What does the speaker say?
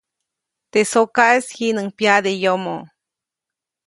Teʼ sokaʼis jiʼnuŋ pyaʼde yomoʼ.